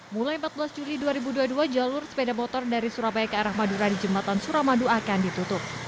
mulai empat belas juli dua ribu dua puluh dua jalur sepeda motor dari surabaya ke arah madura di jembatan suramadu akan ditutup